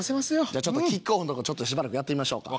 じゃあちょっとキックオフのとこしばらくやってみましょうか。